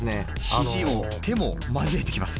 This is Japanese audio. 肘を手も交えてきます。